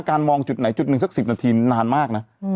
มองจุดไหนจุดหนึ่งสัก๑๐นาทีนานมากนะ